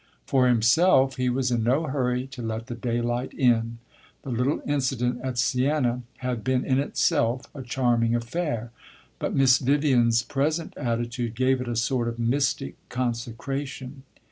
For himself, he was in no hurry to let the daylight in; the little incident at Siena had been, in itself, a charming affair; but Miss Vivian's present attitude gave it a sort of mystic consecration.